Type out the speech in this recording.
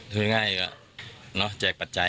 ทุยง่ายนะแจกปัจจัย